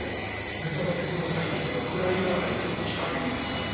「目覚めて下さい」っていうよりは「食らいやがれ」にちょっと近いですもんね。